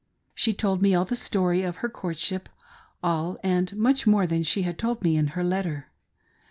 She told me all the story of her courtship — all, and much more than she had told me in her letter.